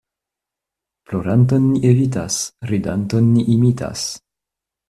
Ploranton ni evitas, ridanton ni imitas.